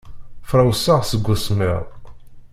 Frawseɣ seg usemmiḍ.